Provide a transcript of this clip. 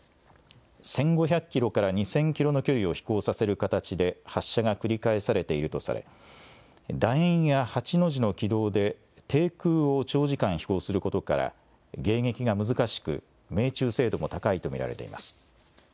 １５００キロから２０００キロの距離を飛行させる形で発射が繰り返されているとされ、だ円や８の字の軌道で低空を長時間飛行することから、迎撃が難しく、命中精度も高いと見られています。